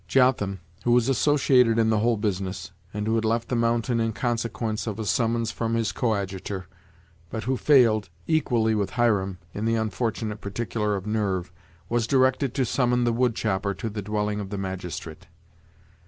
Jotham, who was associated in the whole business, and who had left the mountain in consequence of a summons from his coadjutor, but who failed, equally with Hiram, in the unfortunate particular of nerve, was directed to summon the wood chopper to the dwelling of the magistrate.